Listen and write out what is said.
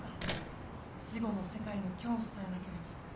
死後の世界の恐怖さえなければ。